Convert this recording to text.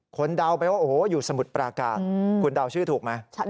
เดาไปว่าโอ้โหอยู่สมุทรปราการคุณเดาชื่อถูกไหม